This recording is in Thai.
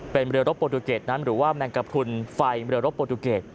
เป็นเรือรบโปรตูเกตนั้นหรือว่าแมงกระพรุนไฟเรือรบโปรตูเกต